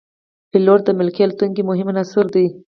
پیلوټ د ملکي الوتنو مهم عنصر دی.